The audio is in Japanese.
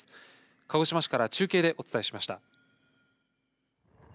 鹿児島市から中継でお伝えしました。